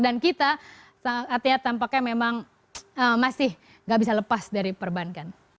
dan kita artinya tampaknya memang masih gak bisa lepas dari perbankan